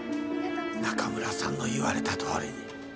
中村さんの言われたとおりに。